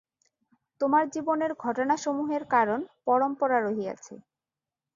তোমার জীবনের ঘটনাসমূহের কারণ-পরম্পরা রহিয়াছে।